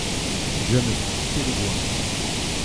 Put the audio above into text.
Je me suis coupé le doigt.